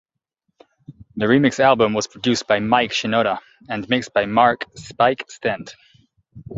The remix album was produced by Mike Shinoda and mixed by Mark "Spike" Stent.